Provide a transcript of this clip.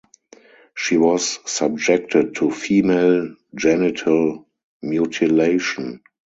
She was subjected to female genital mutilation.